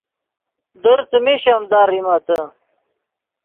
در څیمی شیمدا ریمتے